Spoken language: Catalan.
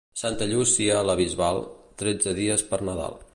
Santa Llúcia la bisbal, tretze dies per Nadal.